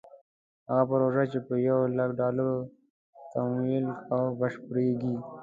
هغه پروژه چې په یو لک ډالرو تمویل او بشپړېږي.